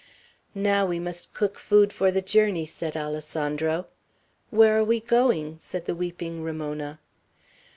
"Now, we must cook food for the journey," said Alessandro. "Where are we going?" said the weeping Ramona.